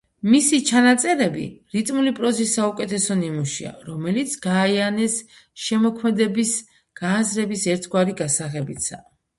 მისი ჩანაწერები რიტმული პროზის საუკეთესო ნიმუშია, რომელიც გაიანეს შემოქმედების გააზრების ერთგვარი გასაღებიცაა.